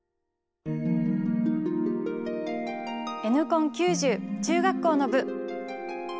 Ｎコン９０中学校の部。